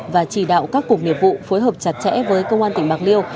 và chỉ đạo các cục nghiệp vụ phối hợp chặt chẽ với công an tỉnh bạc liêu